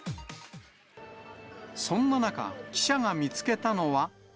そんな中、記者が見つけたのは。